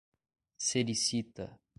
Sericita